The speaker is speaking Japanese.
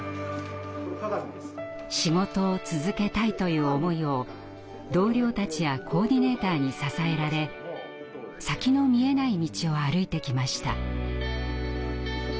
「仕事を続けたい」という思いを同僚たちやコーディネーターに支えられ先の見えない道を歩いてきました。